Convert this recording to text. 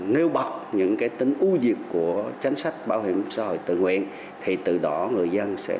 ngành chức năng cần hoàn thiện chính sách tăng quyền lợi cho người tham gia